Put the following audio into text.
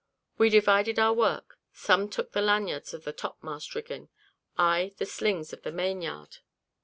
We divided our work, some took the lanyards of the topmast rigging, I, the slings of the main yard.